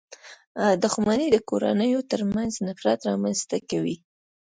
• دښمني د کورنيو تر منځ نفرت رامنځته کوي.